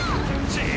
ちっ！